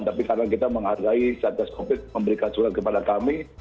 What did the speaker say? tapi karena kita menghargai syarjah skokit memberikan surat kepada kami